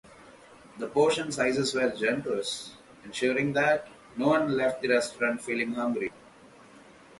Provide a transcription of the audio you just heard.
The portion sizes were generous, ensuring that no one left the restaurant feeling hungry.